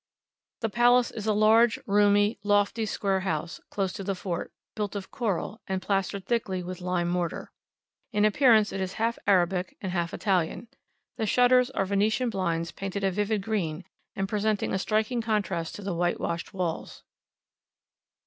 The palace is a large, roomy, lofty, square house close to the fort, built of coral, and plastered thickly with lime mortar. In appearance it is half Arabic and half Italian. The shutters are Venetian blinds painted a vivid green, and presenting a striking contrast to the whitewashed walls.